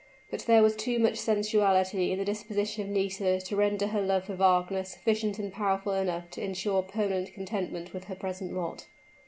But there was too much sensuality in the disposition of Nisida to render her love for Wagner sufficient and powerful enough to insure permanent contentment with her present lot.